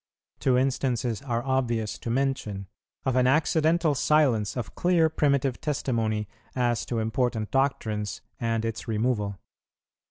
Two instances are obvious to mention, of an accidental silence of clear primitive testimony as to important doctrines, and its removal.